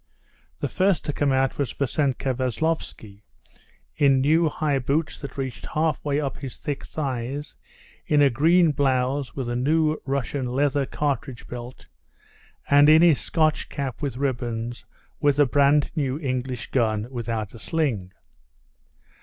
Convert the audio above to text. The first to come out was Vassenka Veslovsky, in new high boots that reached half way up his thick thighs, in a green blouse, with a new Russian leather cartridge belt, and in his Scotch cap with ribbons, with a brand new English gun without a sling.